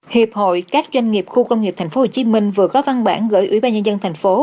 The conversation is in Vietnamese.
hiệp hội các doanh nghiệp khu công nghiệp tp hcm vừa có văn bản gửi ủy ban nhân dân thành phố